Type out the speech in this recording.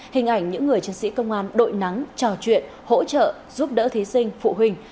hình ảnh những người chiến sĩ công an đội nắng trò chuyện hỗ trợ giúp đỡ thí sinh phụ huynh